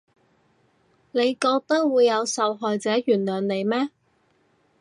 你覺得會有受害者原諒你咩？